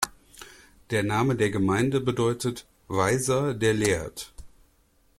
Der Name der Gemeinde bedeutet „Weiser, der lehrt“.